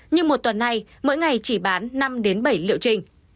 như một tuần nay mỗi ngày chỉ bán năm bảy liệu trình